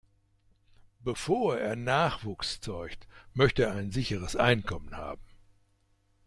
Bevor er Nachwuchs zeugt, möchte er ein sicheres Einkommen haben.